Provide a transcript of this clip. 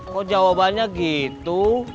kok jawabannya gitu